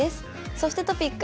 そしてトピック。